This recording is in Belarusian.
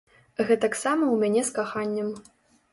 Гэтаксама ў мяне з каханнем.